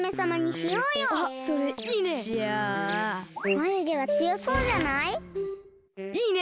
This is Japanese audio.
まゆげはつよそうじゃない？いいね！